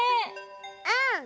うん。